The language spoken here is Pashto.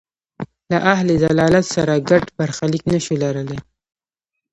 له اهل ضلالت سره ګډ برخلیک نه شو لرلای.